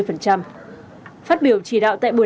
phát biểu chỉ đạo tại buổi